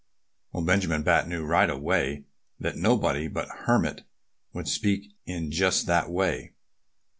Well, Benjamin Bat knew right away that nobody but the Hermit would speak in just that way.